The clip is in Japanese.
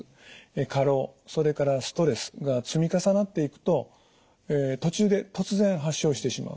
過労それからストレスが積み重なっていくと途中で突然発症してしまうと。